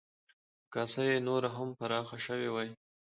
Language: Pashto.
که کاسه یې نوره هم پراخه شوې وی،